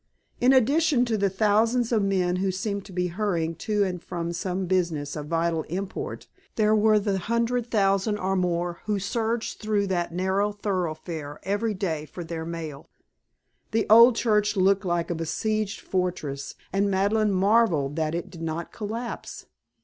In addition to the thousands of men who seemed to be hurrying to and from some business of vital import, there were the hundred thousand or more who surged through that narrow thoroughfare every day for their mail. The old church looked like a besieged fortress and Madeleine marvelled that it did not collapse.